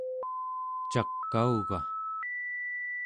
cakauga?